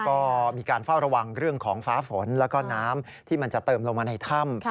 ก็มีการเฝ้าระวังเรื่องของฟ้าฝนแล้วก็น้ำที่มันจะเติมลงมาในถ้ำ